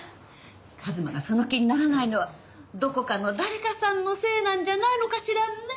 一馬がその気にならないのはどこかの誰かさんのせいなんじゃないのかしらね。